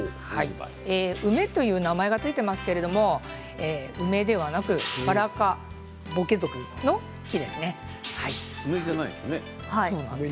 梅という名前が付いていますが梅ではなく、バラ科ボケ属梅じゃないですね。